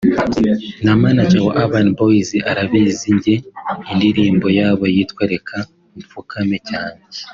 “Na manager wa Urban Boyz arabizi njye indirimbo yabo yitwa Reka mfukame cyane